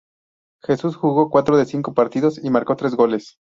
Jesús jugó cuatro de cinco partidos y marcó tres goles.